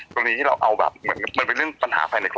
ส่วนนี้เราเอาแบบมันมีเรื่องปัญหาภายในคล้อง